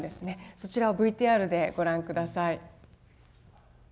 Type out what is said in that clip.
そちらをＶＴＲでご覧下さい。